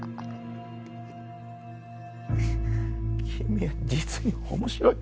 君は実に面白い。